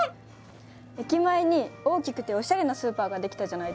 駅前に大きくておしゃれなスーパーが出来たじゃないですか。